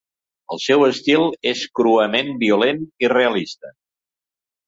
El seu estil és cruament violent i realista.